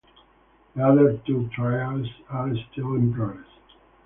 The other two trials are still in progress.